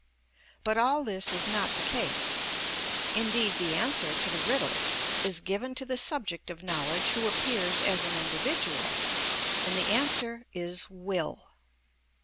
But all this is not the case; indeed the answer to the riddle is given to the subject of knowledge who appears as an individual, and the answer is will.